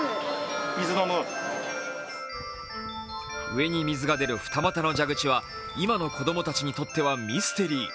上に水が出る二股の蛇口は今の子供たちにとってはミステリー。